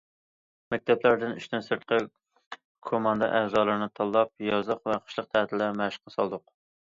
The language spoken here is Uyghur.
مەكتەپلەردىن ئىشتىن سىرتقى كوماندا ئەزالىرىنى تاللاپ، يازلىق ۋە قىشلىق تەتىلدە مەشىققە سالدۇق.